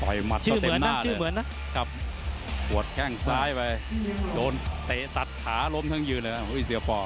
ต่อยมัดเต็มหน้าเลยครับปวดแข้งซ้ายไปโดนตัดขาล้มทั้งยืนเลยครับอุ๊ยเสียวป่อ